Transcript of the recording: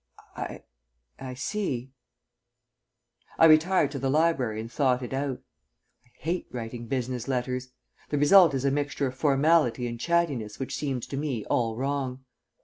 "I I see." I retired to the library and thought it out. I hate writing business letters. The result is a mixture of formality and chattiness which seems to me all wrong.